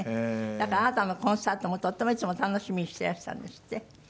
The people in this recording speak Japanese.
だからあなたのコンサートもとってもいつも楽しみにしてらしたんですって？